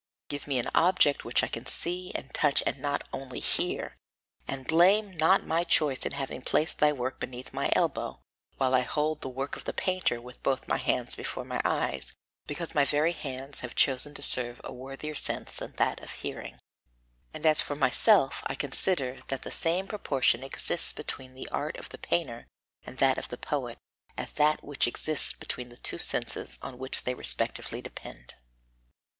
Give me an object which I can see and touch and not only hear, and blame not my choice in having placed thy work beneath my elbow, while I hold the work of the painter with both my hands before my eyes, because my very hands have chosen to serve a worthier sense than that of hearing. "And as for my self I consider that the same proportion exists between the art of the painter and that of the poet as that which exists between the two senses on which they respectively depend.